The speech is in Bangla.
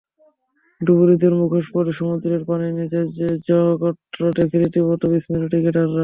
ডুবুরিদের মুখোশ পরে সমুদ্রের পানির নিচের জগৎটা দেখে রীতিমতো বিস্মিত ক্রিকেটাররা।